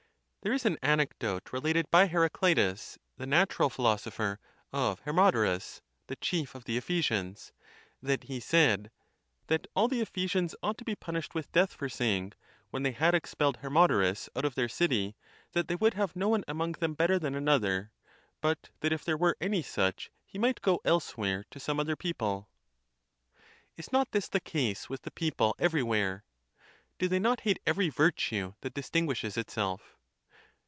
There is an anecdote related by Heraclitus, the natural philosopher, of Hermodorus, the chief of the Ephesians, that he said "that all the Ephe sians ought to be punished with death for saying, when they had expelled Hermodorus out of their city, that they would have no one among them better than another; but that if there were any such, he might go elsewhere to some other people." Is not this the case with the people every where? Do they not hate every virtue that distinguishes itself?